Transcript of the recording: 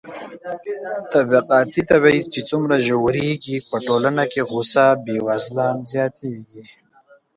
طبقاتي تبعيض چې څومره ژورېږي، په ټولنه کې غوسه بېوزلان زياتېږي.